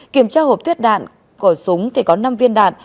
kiểm tra hộp tuyết đạn của súng thì có năm viên đạn